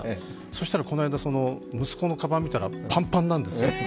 そしたら、この間、息子のかばん見たら、パンパンなんですよ。